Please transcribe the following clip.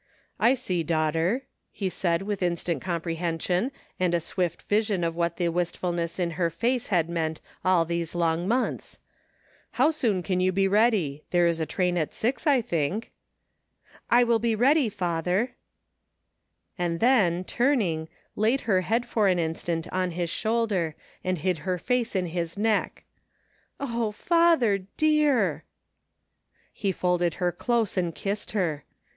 "I see, daughter," he said with instant compre hension and a swift vision of what the wistfulness in her face had meant all these long months. '^ How soon can you be ready ? There is a train at six, I think." ! will be ready, father," she said, and then, 266 THE FINDING OF JASPER HOLT turning, laid her head for an instant on his shoulder and hid her face in his neck. *' Oh, father dear I '* He folded her close and kissed her.